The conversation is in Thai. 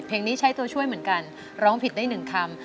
นี้ใช้ตัวช่วยเหมือนกันร้องผิดได้หนึ่งคำ